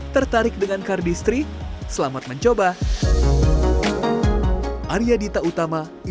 tertarik dengan kardistri selamat mencoba